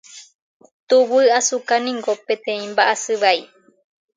Tuguyasuka niko peteĩ mba'asy vai.